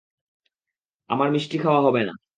আমার মিষ্টি খাওয়া হবে না।